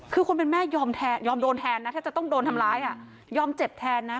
คือคนเป็นแม่ยอมโดนแทนนะถ้าจะต้องโดนทำร้ายยอมเจ็บแทนนะ